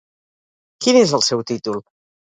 Quin és el seu títol?